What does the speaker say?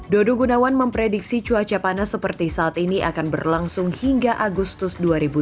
dodo gunawan memprediksi cuaca panas seperti saat ini akan berlangsung hingga agustus dua ribu dua puluh